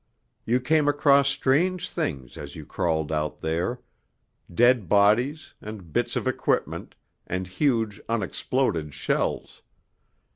You came across strange things as you crawled out there dead bodies, and bits of equipment, and huge unexploded shells.